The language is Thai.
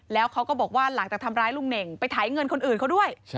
แล้วเขาก็บอกว่าหลังจากทำร้ายลุงเน่งไปไถเงินคนอื่นเขาด้วย